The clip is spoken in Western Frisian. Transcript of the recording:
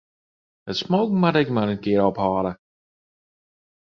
Dat smoken moat ek mar ris in kear ophâlde.